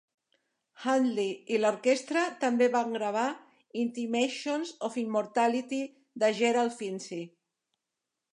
Handley i l'orquestra també van gravar "Intimations of Immortality" de Gerald Finzi.